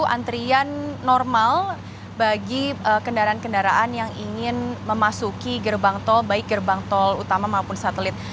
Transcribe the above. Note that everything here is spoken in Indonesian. antrian normal bagi kendaraan kendaraan yang ingin memasuki gerbang tol baik gerbang tol utama maupun satelit